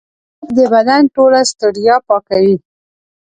خوب د بدن ټوله ستړیا پاکوي